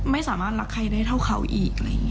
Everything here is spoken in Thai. ไม่สามารถรักใครเลยเท่าเค้าอีก